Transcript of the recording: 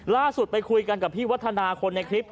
ไปคุยกันกับพี่วัฒนาคนในคลิป